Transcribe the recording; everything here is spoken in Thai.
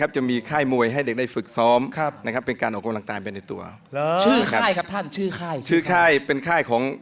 เชื่อข้ายกับเชื่อข้ายเป็นข้ายของ